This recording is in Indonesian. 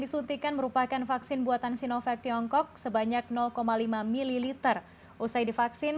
disuntikan merupakan vaksin buatan sinovac tiongkok sebanyak lima ml usai divaksin